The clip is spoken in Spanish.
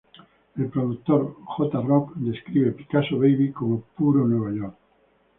El productor J-Roc describe "Picasso Baby" como "puro Nueva York.